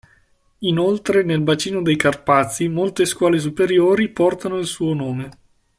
Inoltre, nel bacino dei Carpazi molte scuole superiori portano il suo nome.